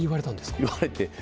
言われて。